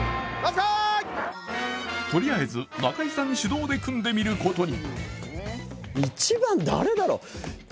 とりあえず中居さん主導で組んでみることに。